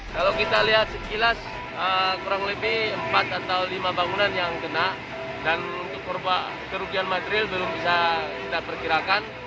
kalau kita lihat sekilas kurang lebih empat atau lima bangunan yang kena dan untuk kerugian material belum bisa kita perkirakan